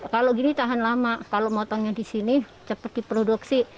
kalau gini tahan lama kalau motongnya di sini cepat diproduksi